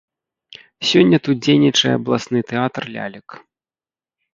Сёння тут дзейнічае абласны тэатр лялек.